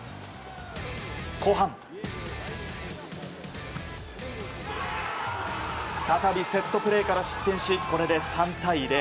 後半再びセットプレーから失点しこれで３対０。